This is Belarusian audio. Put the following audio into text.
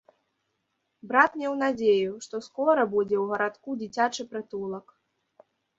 Брат меў надзею, што скора будзе ў гарадку дзіцячы прытулак.